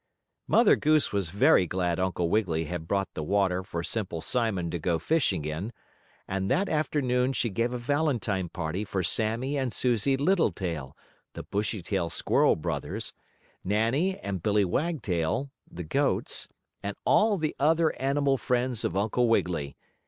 Mother Goose was very glad Uncle Wiggily had brought the water for Simple Simon to go fishing in, and that afternoon she gave a valentine party for Sammie and Susie Littletail, the Bushytail squirrel brothers, Nannie and Billie Wagtail, the goats, and all the other animal friends of Uncle Wiggily.